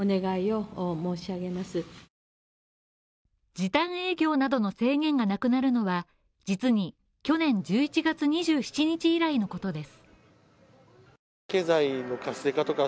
時短営業などの制限がなくなるのは実に去年１１月２７日以来のことです。